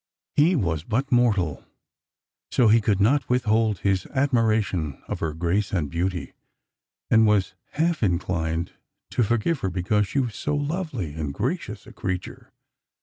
He was but mortal, so he could not withhold his admiration of her grace and beauty, and was half inclined to forgive her because she was so lovely and gracious a creature.